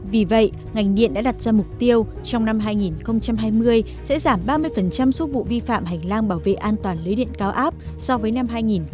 vì vậy ngành điện đã đặt ra mục tiêu trong năm hai nghìn hai mươi sẽ giảm ba mươi số vụ vi phạm hành lang bảo vệ an toàn lưới điện cao áp so với năm hai nghìn một mươi chín